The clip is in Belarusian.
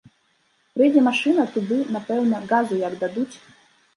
Прыйдзе машына, туды, напэўна, газу як дадуць!